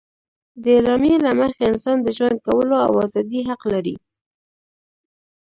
د اعلامیې له مخې انسان د ژوند کولو او ازادي حق لري.